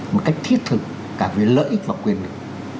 một cách thiết thực cả về lợi ích và quyền lực